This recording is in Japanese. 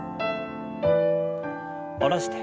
下ろして。